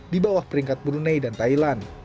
di bawah peringkat brunei dan thailand